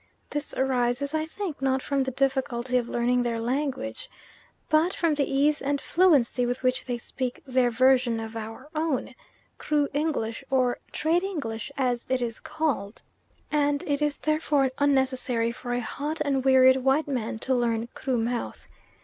This arises, I think, not from the difficulty of learning their language, but from the ease and fluency with which they speak their version of our own Kru English, or "trade English," as it is called, and it is therefore unnecessary for a hot and wearied white man to learn "Kru mouth."